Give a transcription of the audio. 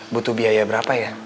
butuh biaya berapa ya